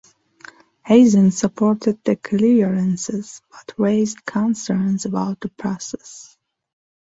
Hazen supported the clearances but raised concerns about the process.